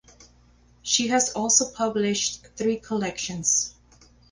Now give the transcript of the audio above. She has also published three collections.